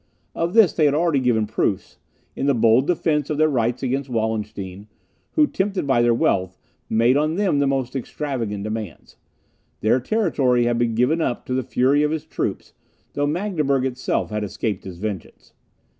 Of this they had already given proofs, in the bold defence of their rights against Wallenstein, who, tempted by their wealth, made on them the most extravagant demands. Their territory had been given up to the fury of his troops, though Magdeburg itself had escaped his vengeance.